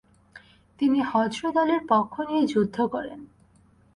তিনি হযরত আলীর পক্ষ নিয়ে যুদ্ধ করেন।